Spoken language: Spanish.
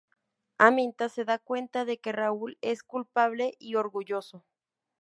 Aminta se da cuenta de que Raúl es culpable y orgulloso.